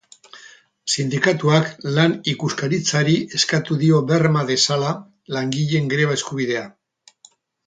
Sindikatuak Lan Ikuskaritzari eskatu dio berma dezala langileen greba-eskubidea.